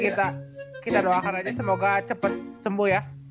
berarti kita doakan aja semoga cepet sembuh ya